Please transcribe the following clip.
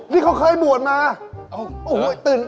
นี่ใครล่ะใส่บาทไหน